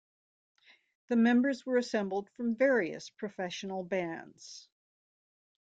The members were assembled from various professional bands.